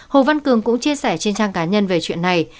hồ văn cường cũng chia sẻ trên trang cá nhân về chuyện này